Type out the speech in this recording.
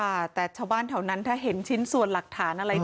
ค่ะแต่ชาวบ้านแถวนั้นถ้าเห็นชิ้นส่วนหลักฐานอะไร